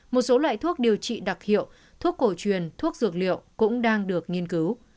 một số loại thuốc điều trị đặc hiệu thuốc cổ truyền thuốc dược liệu cũng đang được nghiên cứu